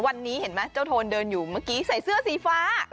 วันนี้เห็นไหมเจ้าโทนเดินอยู่เมื่อกี้ใส่เสื้อสีฟ้า